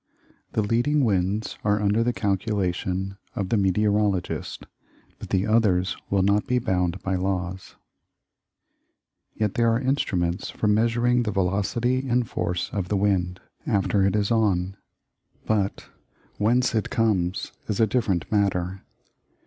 The leading winds are under the calculation of the meteorologist, but the others will not be bound by laws. Yet there are instruments for measuring the velocity and force of the wind, after it is on; but "whence it comes" is a different matter.